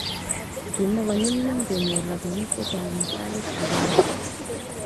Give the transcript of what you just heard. kimoko nyumnyum kenyor ropinik chechang eng sait akenge